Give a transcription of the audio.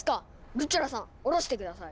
ルッチョラさんおろして下さい。